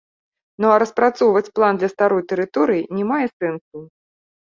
Ну, а распрацоўваць план для старой тэрыторыі не мае сэнсу.